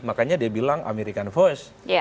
makanya dia bilang american first